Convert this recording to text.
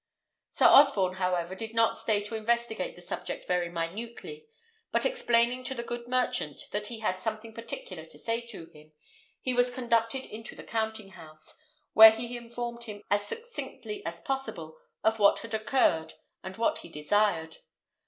Sir Osborne, however, did not stay to investigate the subject very minutely; but explaining to the good merchant that he had something particular to say to him, he was conducted into the counting house, where he informed him as succinctly as possible of what had occurred and what he desired.